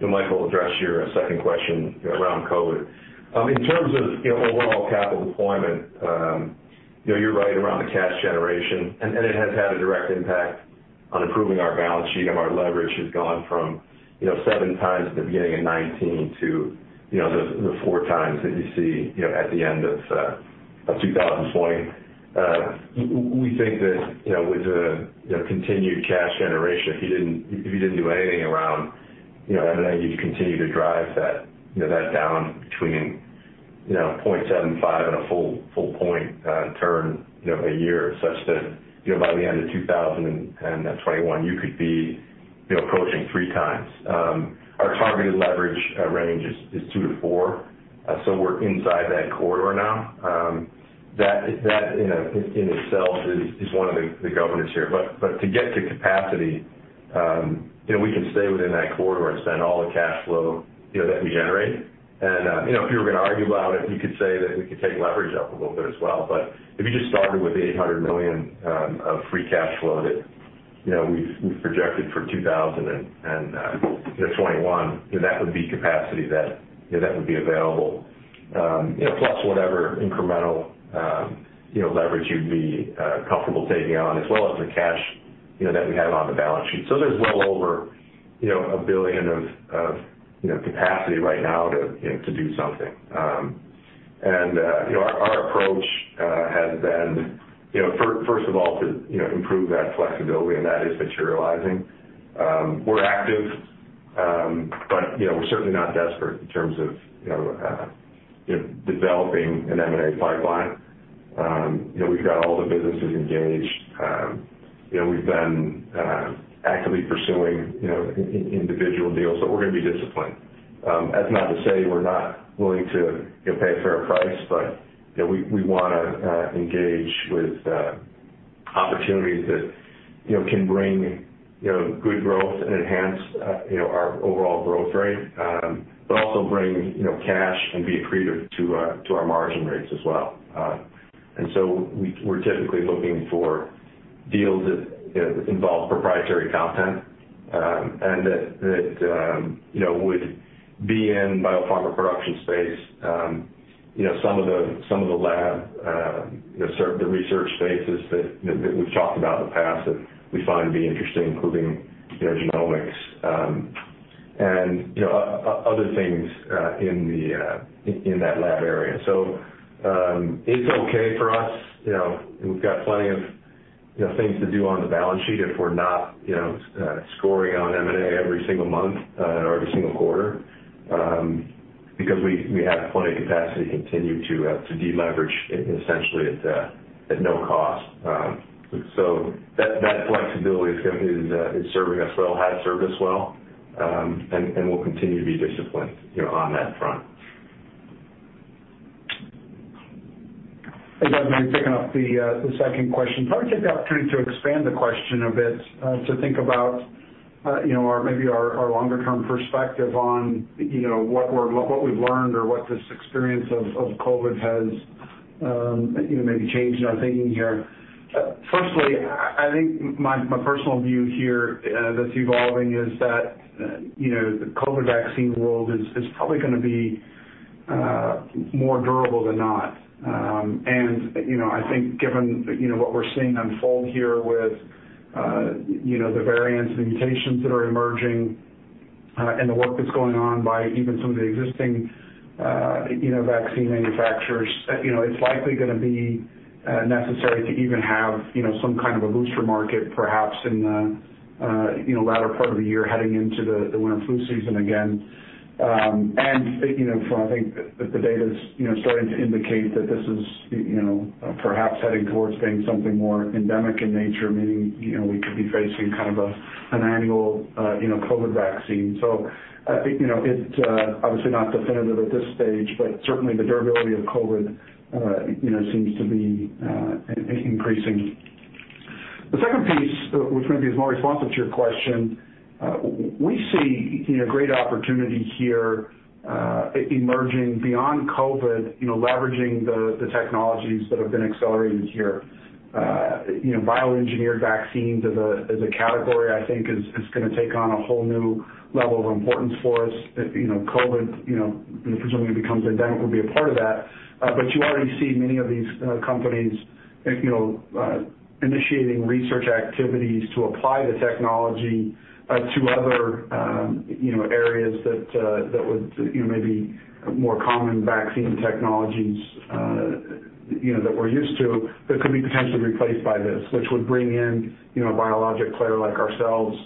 then Michael will address your second question around COVID. In terms of overall capital deployment, you're right around the cash generation, and it has had a direct impact on improving our balance sheet. Our leverage has gone from 7x at the beginning of 2019 to the 4x that you see at the end of 2020. We think that with the continued cash generation, if you didn't do anything around M&A, you'd continue to drive that down between 0.75x and a full point turn a year such that by the end of 2021, you could be approaching 3x. Our targeted leverage range is 2x-4x. We're inside that corridor now. That in itself is one of the governors here. To get to capacity, we can stay within that corridor and spend all the cash flow that we generate. If you were going to argue about it, you could say that we could take leverage up a little bit as well. If you just started with the $800 million of free cash flow that we've projected for 2021, that would be capacity that would be available. Plus whatever incremental leverage you'd be comfortable taking on, as well as the cash that we have on the balance sheet. There's well over $1 billion of capacity right now to do something. Our approach has been, first of all, to improve that flexibility, and that is materializing. We're active, but we're certainly not desperate in terms of developing an M&A pipeline. We've got all the businesses engaged. We've been actively pursuing individual deals, but we're going to be disciplined. That's not to say we're not willing to pay a fair price, but we want to engage with opportunities that can bring good growth and enhance our overall growth rate, but also bring cash and be accretive to our margin rates as well. We're typically looking for deals that involve proprietary content, and that would be in biopharma production space. Some of the lab, the research spaces that we've talked about in the past that we find to be interesting, including genomics and other things in that lab area. It's okay for us. We've got plenty of things to do on the balance sheet if we're not scoring on M&A every single month or every single quarter, because we have plenty of capacity to continue to deleverage essentially at no cost. That flexibility is serving us well, has served us well, and we'll continue to be disciplined on that front. Hey, Doug, maybe picking up the second question. Probably take the opportunity to expand the question a bit to think about maybe our longer-term perspective on what we've learned or what this experience of COVID has maybe changed in our thinking here. Firstly, I think my personal view here that's evolving is that the COVID vaccine world is probably going to be more durable than not. I think given what we're seeing unfold here with the variants, the mutations that are emerging, and the work that's going on by even some of the existing vaccine manufacturers, it's likely going to be necessary to even have some kind of a booster market, perhaps in the latter part of the year heading into the winter flu season again. I think that the data's starting to indicate that this is perhaps heading towards being something more endemic in nature, meaning we could be facing kind of an annual COVID vaccine. It's obviously not definitive at this stage, but certainly the durability of COVID seems to be increasing. The second piece, which maybe is more responsive to your question, we see great opportunity here emerging beyond COVID, leveraging the technologies that have been accelerated here. Bioengineered vaccines as a category, I think, is going to take on a whole new level of importance for us. COVID, presumably becomes endemic, will be a part of that. You already see many of these companies initiating research activities to apply the technology to other areas that would maybe more common vaccine technologies that we're used to, that could be potentially replaced by this, which would bring in a biologic player like ourselves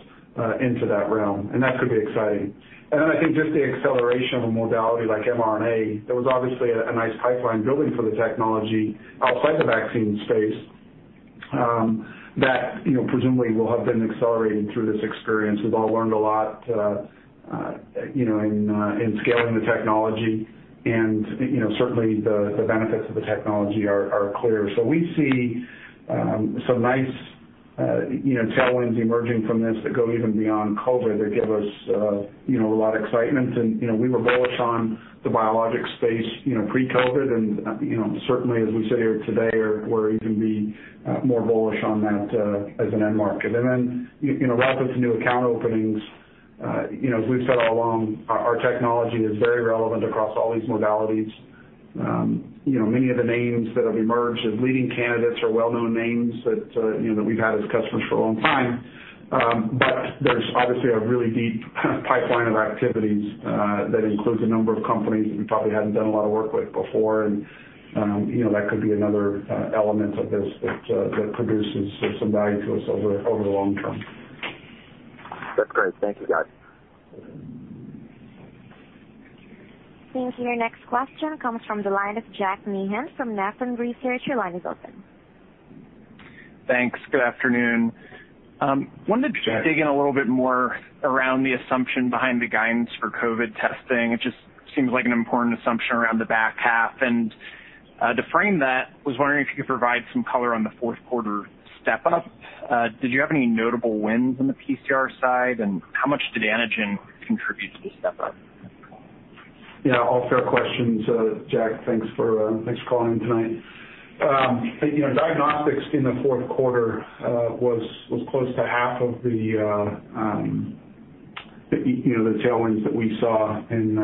into that realm. That could be exciting. Then I think just the acceleration of a modality like mRNA. There was obviously a nice pipeline building for the technology outside the vaccine space that presumably will have been accelerated through this experience. We've all learned a lot in scaling the technology, and certainly the benefits of the technology are clear. We see some nice tailwinds emerging from this that go even beyond COVID that give us a lot of excitement. We were bullish on the biologic space pre-COVID, and certainly as we sit here today, we're even more bullish on that as an end market. Relative to new account openings. As we've said all along, our technology is very relevant across all these modalities. Many of the names that have emerged as leading candidates are well-known names that we've had as customers for a long time. There's obviously a really deep pipeline of activities that includes a number of companies that we probably hadn't done a lot of work with before, and that could be another element of this that produces some value to us over the long term. That's great. Thank you, guys. Thank you. Your next question comes from the line of Jack Meehan from Nephron Research. Your line is open. Thanks. Good afternoon. Wanted to dig in a little bit more around the assumption behind the guidance for COVID testing. It just seems like an important assumption around the back half. To frame that, I was wondering if you could provide some color on the fourth quarter step-up. Did you have any notable wins on the PCR side, and how much did antigen contribute to the step-up? Yeah, all fair questions, Jack. Thanks for calling in tonight. Diagnostics in the fourth quarter was close to half of the tailwinds that we saw in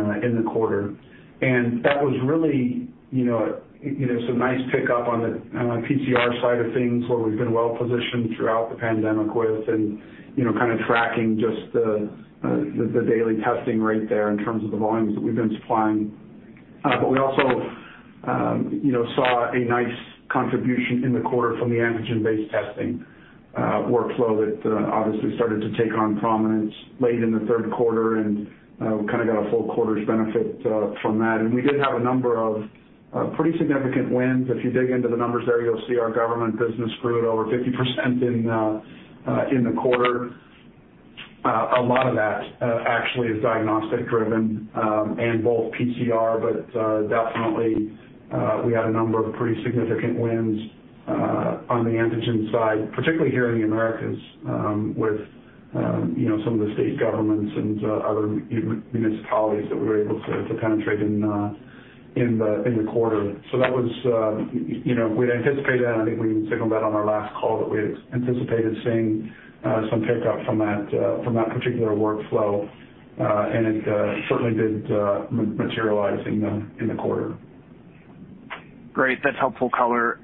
the quarter. That was really some nice pick up on the PCR side of things, where we've been well-positioned throughout the pandemic with and kind of tracking just the daily testing rate there in terms of the volumes that we've been supplying. We also saw a nice contribution in the quarter from the antigen-based testing workflow that obviously started to take on prominence late in the third quarter, and we kind of got a full quarter's benefit from that. We did have a number of pretty significant wins. If you dig into the numbers there, you'll see our government business grew at over 50% in the quarter. A lot of that actually is diagnostic-driven, and both PCR, but definitely, we had a number of pretty significant wins on the antigen side, particularly here in the Americas, with some of the state governments and other municipalities that we were able to penetrate in the quarter. We'd anticipated that, and I think we even signaled that on our last call, that we had anticipated seeing some pickup from that particular workflow. It certainly did materialize in the quarter. Great. That is helpful color.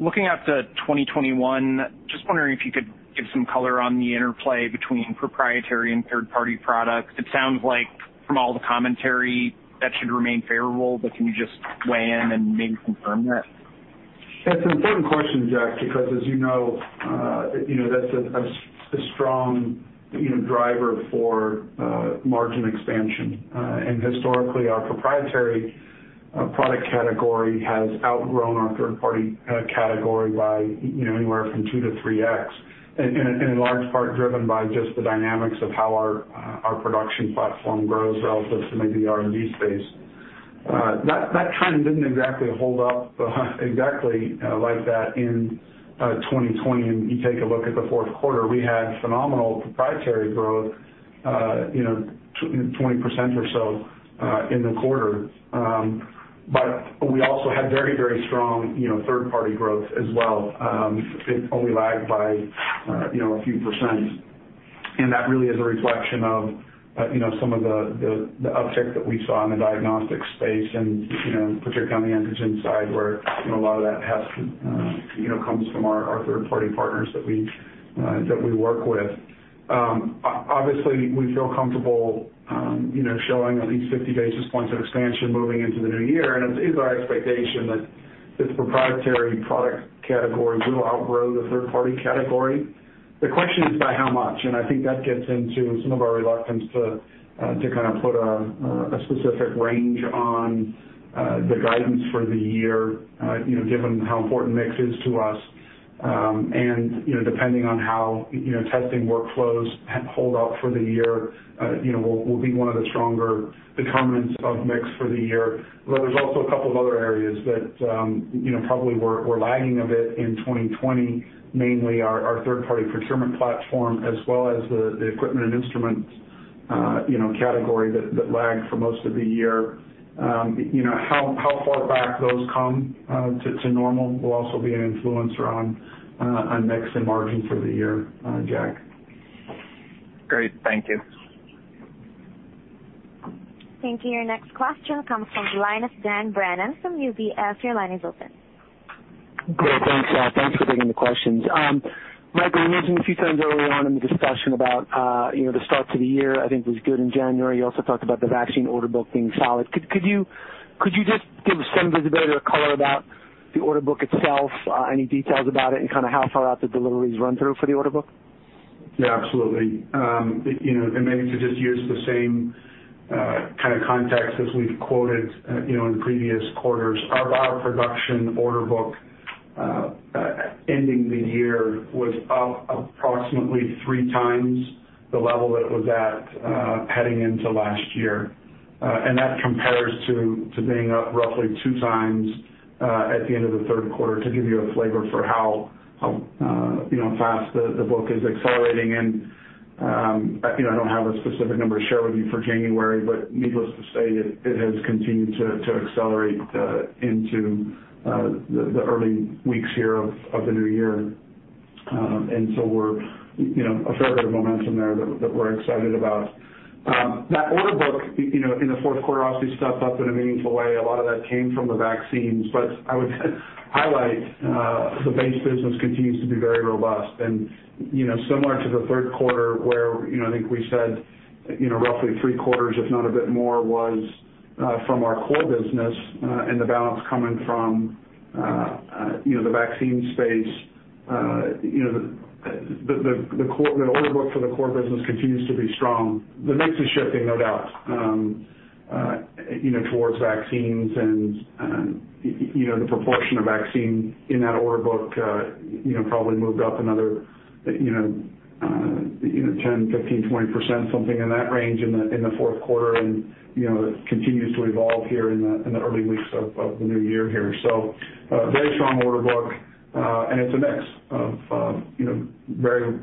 Looking out to 2021, just wondering if you could give some color on the interplay between proprietary and third-party products. It sounds like from all the commentary, that should remain favorable, can you just weigh in and maybe confirm that? That's an important question, Jack, because as you know, that's a strong driver for margin expansion. Historically, our proprietary product category has outgrown our third-party category by anywhere from 2x-3x. In large part driven by just the dynamics of how our production platform grows relative to maybe the R&D space. That trend didn't exactly hold up exactly like that in 2020. You take a look at the fourth quarter, we had phenomenal proprietary growth 20% or so in the quarter. We also had very strong third-party growth as well. It only lagged by a few percent. That really is a reflection of some of the uptick that we saw in the diagnostic space and particularly on the antigen side, where a lot of that comes from our third-party partners that we work with. We feel comfortable showing at least 50 basis points of expansion moving into the new year, and it is our expectation that the proprietary product category will outgrow the third-party category. The question is by how much. I think that gets into some of our reluctance to kind of put a specific range on the guidance for the year given how important mix is to us. Depending on how testing workflows hold up for the year will be one of the stronger determinants of mix for the year. There's also a couple of other areas that probably were lagging a bit in 2020, mainly our third-party procurement platform as well as the equipment and instruments category that lagged for most of the year. How far back those come to normal will also be an influencer on mix and margin for the year, Jack. Great. Thank you. Thank you. Your next question comes from Dan Brennan from UBS. Your line is open. Great. Thanks. Thanks for taking the questions. Michael, you mentioned a few times early on in the discussion about the start to the year, I think was good in January. You also talked about the vaccine order book being solid. Could you just give some visibility or color about the order book itself, any details about it, and kind of how far out the deliveries run through for the order book? Yeah, absolutely. Maybe to just use the same kind of context as we've quoted in previous quarters. Our bioproduction order book ending the year was up approximately 3x the level that it was at heading into last year. That compares to being up roughly 2x at the end of the third quarter to give you a flavor for how fast the book is accelerating. I don't have a specific number to share with you for January, but needless to say, it has continued to accelerate into the early weeks here of the new year. A fair bit of momentum there that we're excited about. That order book in the fourth quarter obviously stepped up in a meaningful way. A lot of that came from the vaccines, but I would highlight the base business continues to be very robust. Similar to the third quarter where I think we said roughly three-quarters, if not a bit more, was from our core business, and the balance coming from the vaccine space. The order book for the core business continues to be strong. The mix is shifting, no doubt towards vaccines and the proportion of vaccine in that order book probably moved up another 10%, 15%, 20%, something in that range in the fourth quarter, and continues to evolve here in the early weeks of the new year here. A very strong order book, and it's a mix of very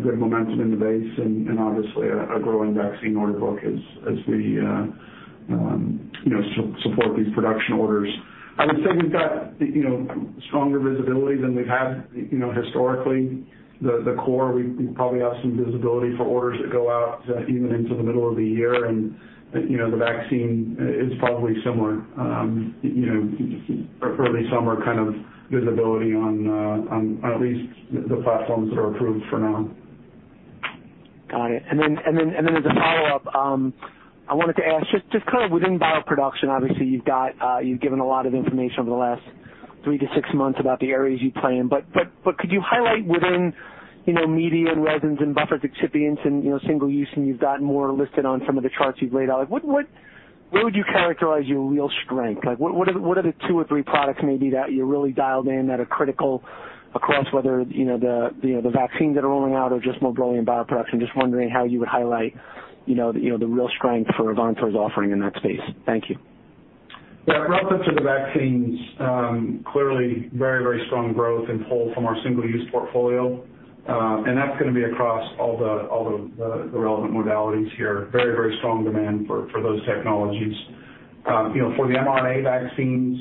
good momentum in the base and obviously a growing vaccine order book as we support these production orders. I would say we've got stronger visibility than we've had historically. The core, we probably have some visibility for orders that go out even into the middle of the year, and the vaccine is probably similar. Early summer kind of visibility on at least the platforms that are approved for now. Got it. Then as a follow-up, I wanted to ask just kind of within bioproduction, obviously you've given a lot of information over the last three to six months about the areas you play in, but could you highlight within media and resins and buffered excipients and single-use, and you've got more listed on some of the charts you've laid out. Where would you characterize your real strength? What are the two or three products maybe that you're really dialed in that are critical across, whether the vaccines that are rolling out or just more broadly in bioproduction? Just wondering how you would highlight the real strength for Avantor's offering in that space. Thank you. Yeah. Relative to the vaccines, clearly very strong growth in pull from our single-use portfolio. That's going to be across all the relevant modalities here. Very strong demand for those technologies. For the mRNA vaccines,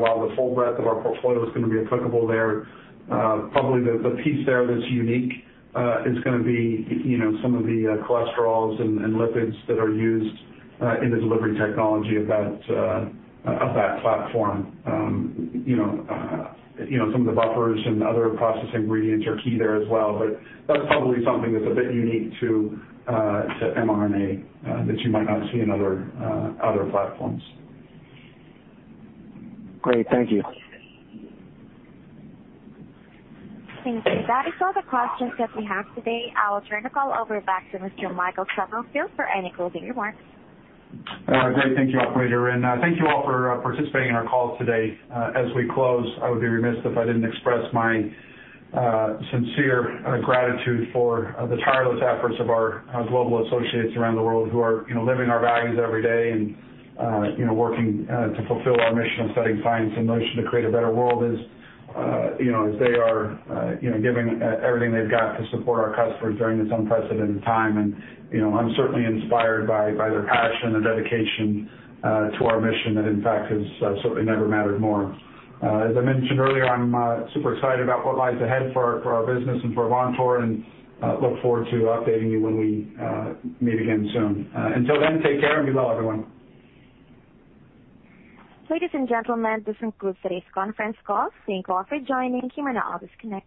while the full breadth of our portfolio is going to be applicable there, probably the piece there that's unique is going to be some of the cholesterols and lipids that are used in the delivery technology of that platform. Some of the buffers and other process ingredients are key there as well, but that's probably something that's a bit unique to mRNA that you might not see in other platforms. Great. Thank you. Thank you. That is all the questions that we have today. I'll turn the call over back to Mr. Michael Stubblefield for any closing remarks. Great. Thank you, operator, and thank you all for participating in our call today. As we close, I would be remiss if I didn't express my sincere gratitude for the tireless efforts of our global associates around the world who are living our values every day and working to fulfill our mission of setting science in motion to create a better world, as they are giving everything they've got to support our customers during this unprecedented time. I'm certainly inspired by their passion and dedication to our mission that, in fact, has certainly never mattered more. As I mentioned earlier, I'm super excited about what lies ahead for our business and for Avantor and look forward to updating you when we meet again soon. Until then, take care and be well, everyone. Ladies and gentlemen, this concludes today's conference call. Thank you all for joining. You may now disconnect.